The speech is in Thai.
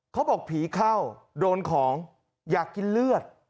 เขาบอกผีเข้าโดนของอยากกินเลือด